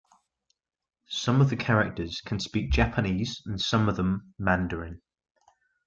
Some of the characters can speak Japanese and some of them Mandarin.